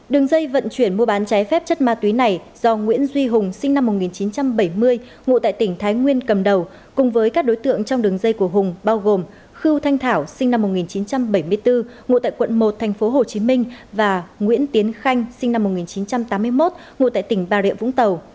đường dây vận chuyển mua bán trái phép chất ma túy này do nguyễn duy hùng sinh năm một nghìn chín trăm bảy mươi ngụ tại tỉnh thái nguyên cầm đầu cùng với các đối tượng trong đường dây của hùng bao gồm khư thanh thảo sinh năm một nghìn chín trăm bảy mươi bốn ngụ tại quận một tp hcm và nguyễn tiến khanh sinh năm một nghìn chín trăm tám mươi một ngụ tại tỉnh bà rịa vũng tàu